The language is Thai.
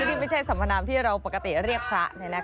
ที่ไม่ใช่สัมพนามที่เราปกติเรียกพระ